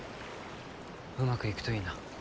うまくいくといいな。